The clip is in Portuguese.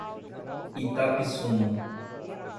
Itapissuma